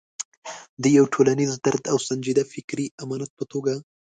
د یو ټولنیز درد او سنجیده فکري امانت په توګه.